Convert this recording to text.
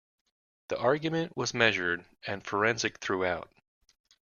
The argument was measured and forensic throughout.